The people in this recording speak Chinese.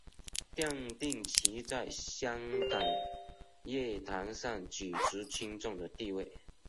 奠定其在香港乐坛上举足轻重的地位。